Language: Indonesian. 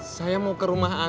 saya mau ke rumah